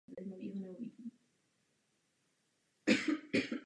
V polovině šedesátých let se klub dostal do značně složité ekonomické situace.